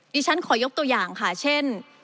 ฉันขอยกตัวอย่างค่ะเช่น